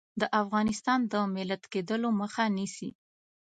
د افغانستان د ملت کېدلو مخه نیسي.